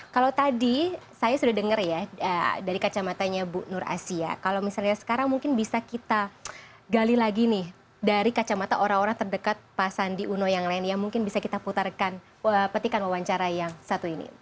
kalau tadi saya sudah dengar ya dari kacamatanya bu nur asia kalau misalnya sekarang mungkin bisa kita gali lagi nih dari kacamata orang orang terdekat pak sandi uno yang lain ya mungkin bisa kita putarkan petikan wawancara yang satu ini